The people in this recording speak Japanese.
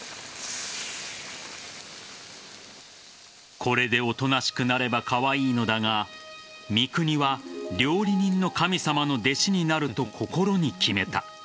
これでおとなしくなればカワイイのだが三國は料理人の神様の弟子になると心に決めた。